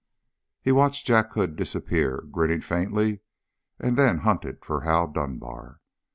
He watched Jack Hood disappear, grinning faintly, and then hunted for Hal Dunbar.